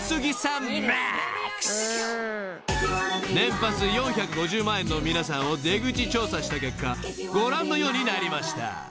［年パス４５０万円の皆さんを出口調査した結果ご覧のようになりました］